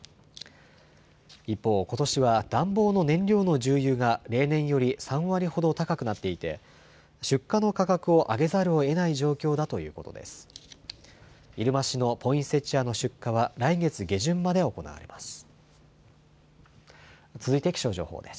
一方、ことしは暖房の燃料の重油が例年より３割ほど高くなっていて、出荷の価格を上げざるをえない状況だということです。